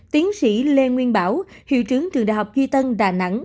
tiến sĩ lê nguyên bảo hiệu trưởng trường đại học duy tân đà nẵng